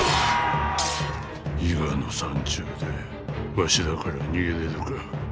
伊賀の山中でわしらから逃げれるか。